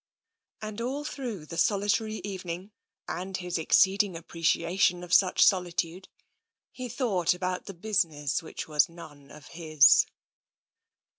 And all through the solitary evening, and his exceeding appreciation of such solitude, he thought about the business which was none of his.